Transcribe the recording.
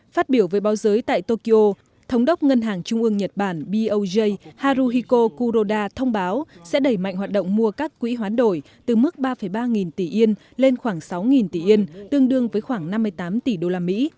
phát biểu với báo giới tại tokyo thống đốc ngân hàng trung ương nhật bản boj haruhiko kuroda thông báo sẽ đẩy mạnh hoạt động mua các quỹ hoán đổi từ mức ba ba nghìn tỷ yên lên khoảng sáu tỷ yên tương đương với khoảng năm mươi tám tỷ đô la mỹ